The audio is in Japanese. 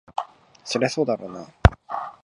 そりゃそうだろうな。